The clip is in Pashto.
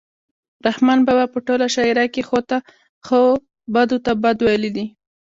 رحمان بابا په ټوله شاعرۍ کې ښو ته ښه بدو ته بد ویلي دي.